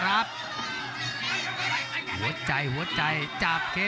โหโหโหโหโหโหโห